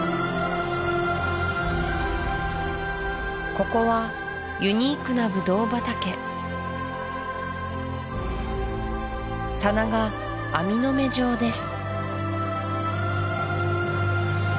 ここはユニークなブドウ畑棚が網の目状です